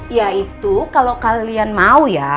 ya itu kalau kalian mau ya